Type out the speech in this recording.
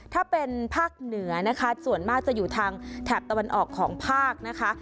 ถ้าเป็นภาคเหนือนะคะส่วนมากจะอยู่ทางแถบตะวันออกของภาคนะคะ